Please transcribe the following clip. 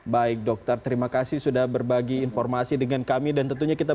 baik dokter terima kasih sudah berbagi informasi dengan kami dan tentunya kita